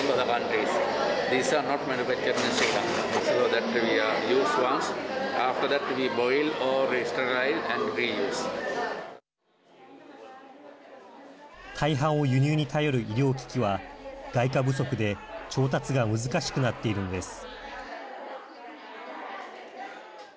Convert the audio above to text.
大半を輸入に頼る医療機器は外貨不足で調達が難しくなっているのです。